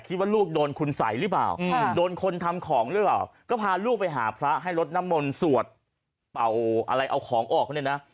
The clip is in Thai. ลูกโดนคุณสัยหรือเปล่าโดนคนทำของหรือเปล่าก็พาลูกไปหาพระให้ลดน้ำมนต์สวดเป่าอะไรเอาของออกเนี่ยนะ